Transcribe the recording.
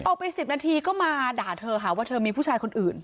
ออกไป๑๐นาทีก็มาด่าเธอหาว่าเธอมีผู้ชายคนอื่น